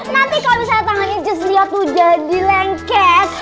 nanti kalau misalnya tangannya jas dia tuh jadi lengket